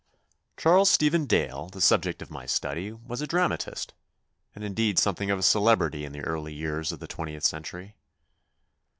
CHARLES STEPHEN DALE, the subject of my study, was a dramatist and, indeed, some thing of a celebrity in the early years of the twentieth century.